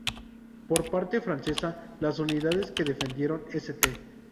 Por parte francesa, las unidades que defendieron St.